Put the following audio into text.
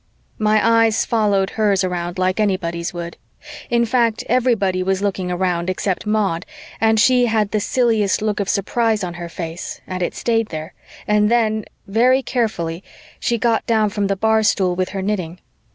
My eyes followed hers around like anybody's would. In fact, everybody was looking around except Maud, and she had the silliest look of surprise on her face and it stayed there, and then, very carefully, she got down from the bar stool with her knitting.